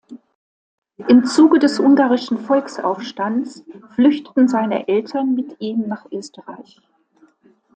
Im Zuge des Ungarischen Volksaufstands flüchteten seine Eltern mit ihm nach Österreich.